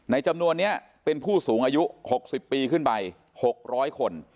จำนวนนี้เป็นผู้สูงอายุ๖๐ปีขึ้นไป๖๐๐คน